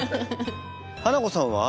ハナコさんは？